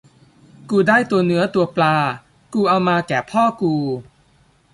กูได้ตัวเนื้อตัวปลา กูเอามาแก่พ่อกู